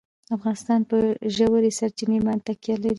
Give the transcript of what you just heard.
افغانستان په ژورې سرچینې باندې تکیه لري.